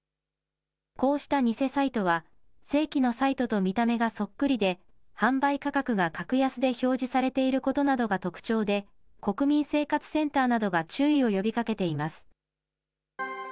こうした偽サイトは、正規のサイトと見た目がそっくりで、販売価格が格安で表示されていることなどが特徴で、国民生活センターなどが注意を呼びかけています。